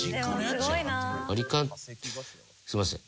すみません。